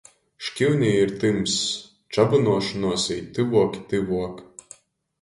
Škiunī ir tymss, čabynuošonuos īt tyvuok i tyvuok.